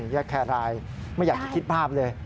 แยกแครรายไม่อยากจะคิดภาพเลย